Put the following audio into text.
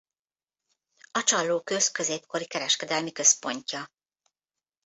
A Csallóköz középkori kereskedelmi központja.